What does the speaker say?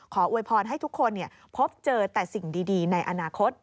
อวยพรให้ทุกคนพบเจอแต่สิ่งดีในอนาคต